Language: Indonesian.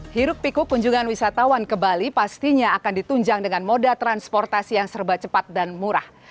hiruk pikuk kunjungan wisatawan ke bali pastinya akan ditunjang dengan moda transportasi yang serba cepat dan murah